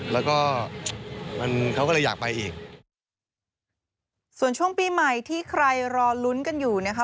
แล้วก็มันเขาก็เลยอยากไปอีกส่วนช่วงปีใหม่ที่ใครรอลุ้นกันอยู่นะคะ